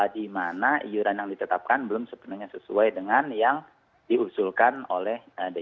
di mana iuran yang ditetapkan belum sepenuhnya sesuai dengan yang diusulkan oleh dpd